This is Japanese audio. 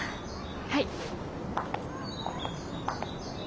はい。